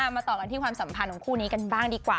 มาต่อกันที่ความสัมพันธ์ของคู่นี้กันบ้างดีกว่า